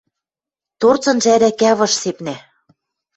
Торцынжы ӓрӓкӓ пыш сепнӓ.